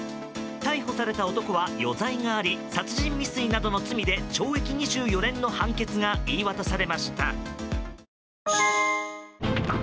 逮捕された男は余罪があり殺人未遂などの罪で懲役２４年の判決が言い渡されました。